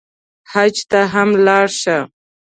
حج ته هم لاړ شه.